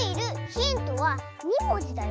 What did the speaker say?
ヒントは２もじだよ。